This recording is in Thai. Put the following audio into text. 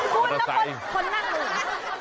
คุณแล้วคนนั่งหนึ่ง